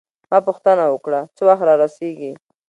ما پوښتنه وکړه: څه وخت رارسیږي؟